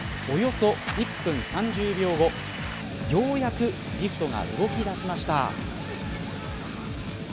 およそ１分３０秒後ようやくリフトが動き出しました。